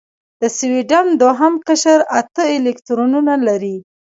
د سوډیم دوهم قشر اته الکترونونه لري.